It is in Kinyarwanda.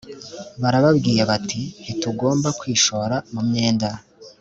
barababwiye bati ntitugomba kwishora mu myenda